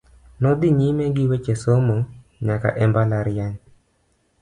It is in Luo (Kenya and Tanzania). Nodhi nyime gi weche somo nyaka e mbalariany.